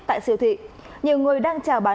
tại siêu thị nhiều người đang trào bán